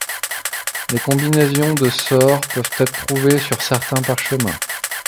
Les combinaisons de sorts peuvent être trouvées sur certains parchemins.